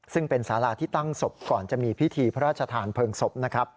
ซึ่งเป็นศาลาที่ตั้งศพก่อนจะมีพิธีพระราชธานเพิงศพ